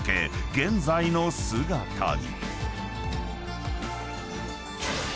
現在の姿に］